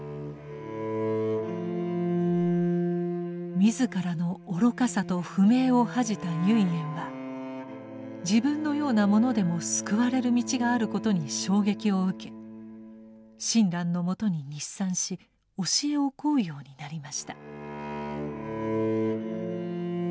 自らの愚かさと不明を恥じた唯円は自分のような者でも救われる道があることに衝撃を受け親鸞のもとに日参し教えを請うようになりました。